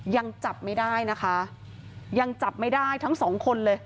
ยังจับไม่ได้นะคะยังจับไม่ได้ทั้งสองคนเลย